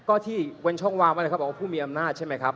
ก็ที่เว้นช่องวางบอกว่าผู้มีอำนาจใช่ไหมครับ